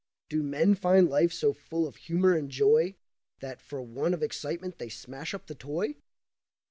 Do men find life so full of humour and joy That for want of excitement they smash up the toy?